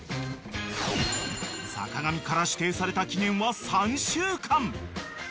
［坂上から指定された期限は３週間］